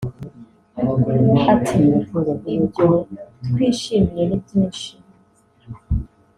Ati “Ibyo twishimiye ni byinshi